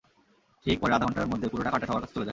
ঠিক পরের আধা ঘণ্টার মধ্যে পুরো টাকাটা সবার কাছে চলে যায়।